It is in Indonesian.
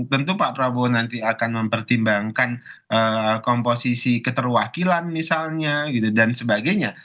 tentu pak prabowo nanti akan mempertimbangkan komposisi keterwakilan misalnya gitu dan sebagainya